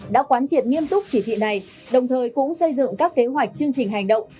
đã quán triệt nghiêm túc chỉ thị này đồng thời cũng xây dựng các kế hoạch chương trình hành động